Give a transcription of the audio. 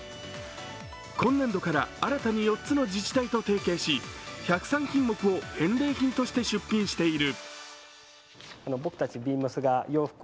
今年度から新たに４つの自治体と提携し１０３品目を返礼品として出品している。